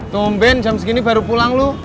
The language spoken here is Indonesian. tumben jam segini baru pulang lu